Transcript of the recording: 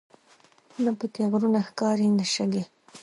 نه په کې غرونه ښکاري نه شګې.